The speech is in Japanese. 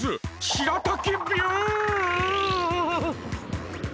しらたきビュン！